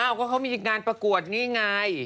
อ้าวก็เขามีงานประกวดเงี้ยไง